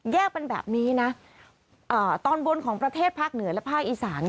เป็นแบบนี้นะตอนบนของประเทศภาคเหนือและภาคอีสาน